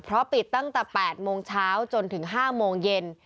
เพราะปิดตั้งแต่๘โมงเช้าจนถึง๕โมงเย็น